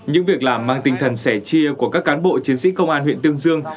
những việc làm mang tinh thần sẻ chia của các cán bộ chiến sĩ công an huyện tương dương